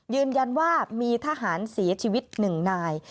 ยืนยันว่ามีทหารเสียชีวิต๑นาย